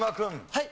はい。